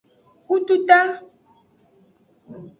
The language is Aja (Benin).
Kututa.